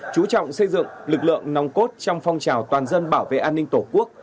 chú trọng xây dựng lực lượng nòng cốt trong phong trào toàn dân bảo vệ an ninh tổ quốc